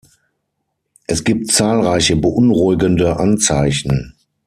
Es gibt zahlreiche beunruhigende Anzeichen.